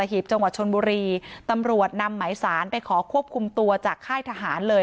หีบจังหวัดชนบุรีตำรวจนำหมายสารไปขอควบคุมตัวจากค่ายทหารเลย